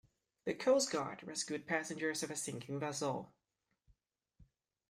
The coast guard rescued passengers of a sinking vessel.